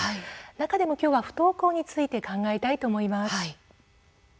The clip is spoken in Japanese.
中でも今日は、不登校について考えたいと思います。